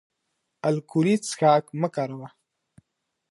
الکولي څښاک مه کاروه